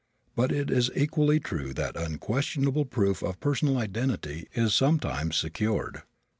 But it is equally true that unquestionable proof of personal identity is sometimes secured.